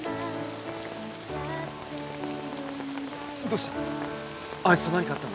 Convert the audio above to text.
どうした？